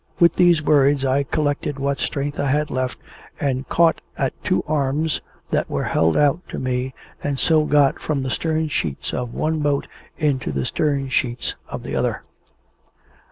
With those words I collected what strength I had left, and caught at two arms that were held out to me, and so got from the stern sheets of one boat into the stern sheets of the other.